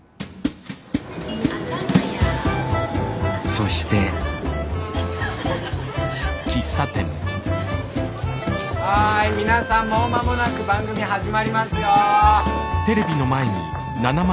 そしてはい皆さんもう間もなく番組始まりますよ。